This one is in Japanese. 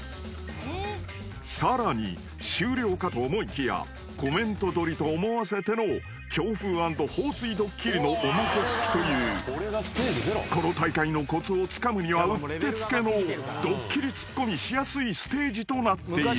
［さらに終了かと思いきやコメントどりと思わせての強風＆放水ドッキリのおまけ付きというこの大会のコツをつかむにはうってつけのドッキリツッコミしやすいステージとなっている］